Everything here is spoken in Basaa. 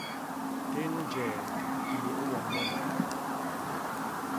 Tén njee i yé i wom wem.